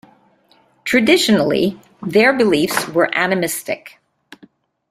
Traditionally their beliefs were animistic.